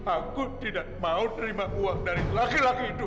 aku tidak mau terima uang dari laki laki itu